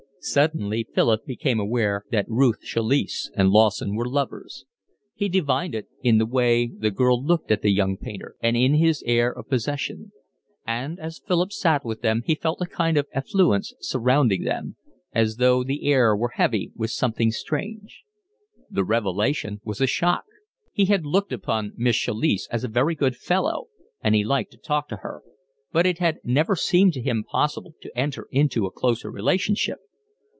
Suddenly Philip became aware that Ruth Chalice and Lawson were lovers. He divined it in the way the girl looked at the young painter, and in his air of possession; and as Philip sat with them he felt a kind of effluence surrounding them, as though the air were heavy with something strange. The revelation was a shock. He had looked upon Miss Chalice as a very good fellow and he liked to talk to her, but it had never seemed to him possible to enter into a closer relationship.